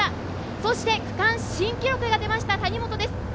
そして、区間新記録が出ました、谷本です。